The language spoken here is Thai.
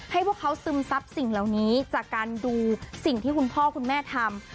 พวกเขาซึมซับสิ่งเหล่านี้จากการดูสิ่งที่คุณพ่อคุณแม่ทำ